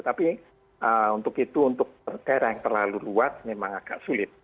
tapi untuk itu untuk daerah yang terlalu luas memang agak sulit